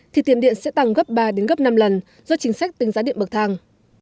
thì tiền điện sẽ tăng gấp ba đến gấp năm lần do chính sách tính giá điện bậc thang